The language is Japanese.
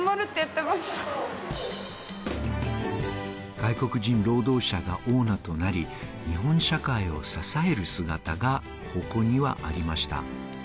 外国人労働者がオーナーとなり、日本社会を支える姿がここにはありました。